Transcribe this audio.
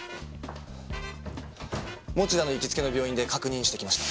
持田の行きつけの病院で確認してきました。